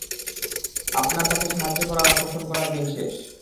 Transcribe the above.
আপনার তাকে সাহায্য করার আর পোষণ করার দিন শেষ।